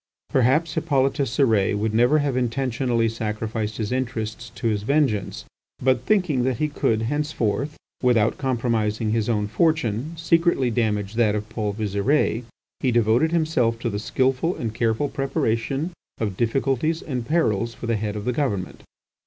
Perhaps Hippolyte Cérès would never have intentionally sacrificed his interests to his vengeance. But thinking that he could henceforth, without compromising his own fortune, secretly damage that of Paul Visire, he devoted himself to the skilful and careful preparation of difficulties and perils for the Head of the Government.